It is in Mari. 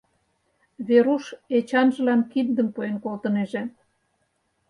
Веруш, Эчанжылан киндым пуэн колтынеже.